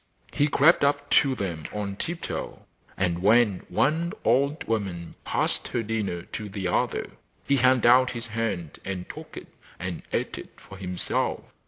He crept up to them on tiptoe, and when one old woman passed her dinner to the other he held out his hand and took it and ate if for himself.